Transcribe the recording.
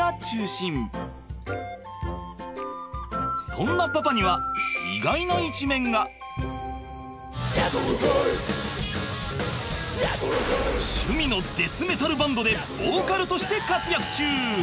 そんなパパには趣味のデスメタルバンドでボーカルとして活躍中！